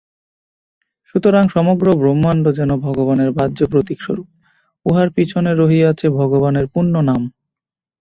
সুতরাং সমগ্র ব্রহ্মাণ্ড যেন ভগবানের বাহ্য প্রতীক-স্বরূপ, উহার পিছনে রহিয়াছে ভগবানের পুণ্য নাম।